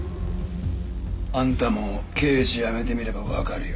あんたも刑事辞めてみればわかるよ。